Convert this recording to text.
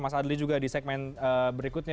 mas adli juga di segmen berikutnya